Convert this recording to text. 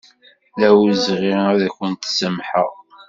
D awezɣi ad akent-samḥeɣ.